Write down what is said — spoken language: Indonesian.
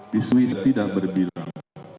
di swiss tidak berbilang